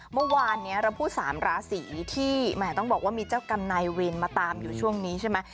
เมื่อวานนี้เราพูด๓ราศีที่แหมต้องบอกว่ามีเจ้ากรรมนายเวรมาตามอยู่ช่วงนี้ใช่ไหม